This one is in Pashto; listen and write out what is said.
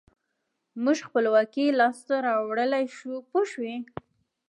موږ خپلواکي لاسته راوړلای شو پوه شوې!.